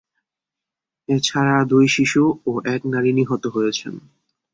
এ ছাড়া দুই শিশু ও এক নারী নিহত হয়েছেন।